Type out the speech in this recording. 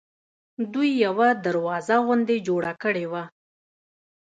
دوی یوه دروازه غوندې جوړه کړې وه.